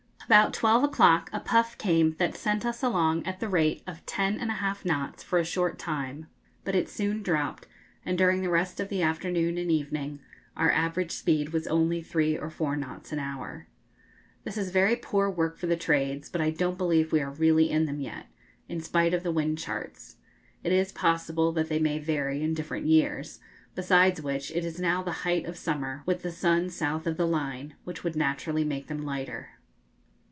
About twelve o'clock a puff came that sent us along at the rate of 10 1/2 knots for a short time; but it soon dropped, and during the rest of the afternoon and evening, our average speed was only three or four knots an hour. This is very poor work for the trades, but I don't believe we are really in them yet, in spite of the wind charts. It is possible that they may vary in different years; besides which it is now the height of summer, with the sun south of the line, which would naturally make them lighter.